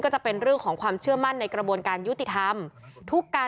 ก็จะเป็นเรื่องของความเชื่อมั่นในกระบวนการยุติธรรมทุกการ